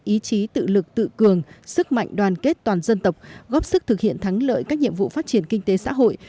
ý chí tự lực tự cường sức mạnh đoàn kết toàn dân tộc góp sức thực hiện thắng lợi các nhiệm vụ phát triển kinh tế xã hội